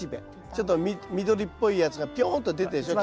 ちょっと緑っぽいやつがぴょんと出てるでしょ